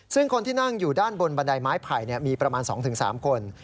ซึ่งคนที่นั่งอยู่ด้านบนบันไดไม้ไผ่มีประมาณ๒๓คน